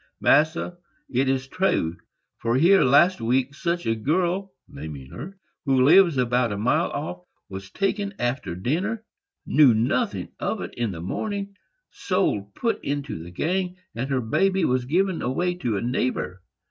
"Massa, it is true; for here, last week, such a girl [naming her], who lives about a mile off, was taken after dinner,—knew nothing of it in the morning,—sold, put into the gang, and her baby given away to a neighbor.